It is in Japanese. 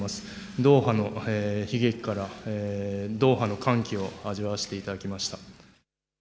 ドーハの悲劇からドーハの歓喜を味わわせていただきました。